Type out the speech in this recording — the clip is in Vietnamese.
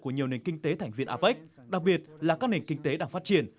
của nhiều nền kinh tế thành viên apec đặc biệt là các nền kinh tế đang phát triển